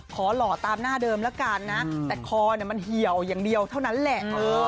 หล่อตามหน้าเดิมแล้วกันนะแต่คอมันเหี่ยวอย่างเดียวเท่านั้นแหละ